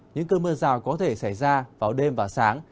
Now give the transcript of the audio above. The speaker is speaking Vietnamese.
những cơn mưa rào có thể xảy ra vào đêm và sáng